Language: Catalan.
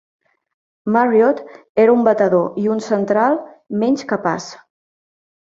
Marriott era un batedor i un central menys capaç.